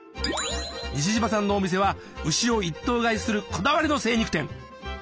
西島さんのお店は牛を一頭買いするこだわりの精肉店！